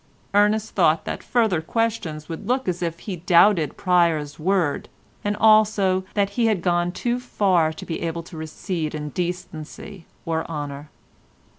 Ernest thought that further questions would look as if he doubted Pryer's word, and also that he had gone too far to be able to recede in decency or honour.